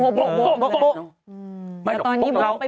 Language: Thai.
ก็โปะกะโปะกะ